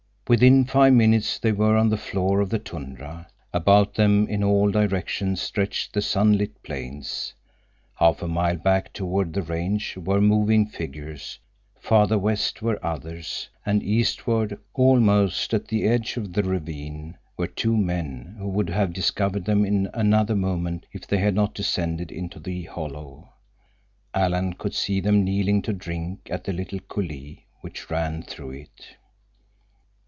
Within five minutes they were on the floor of the tundra. About them in all directions stretched the sunlit plains. Half a mile back toward the range were moving figures; farther west were others, and eastward, almost at the edge of the ravine, were two men who would have discovered them in another moment if they had not descended into the hollow. Alan could see them kneeling to drink at the little coulée which ran through it.